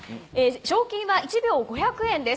賞金は１秒５００円です。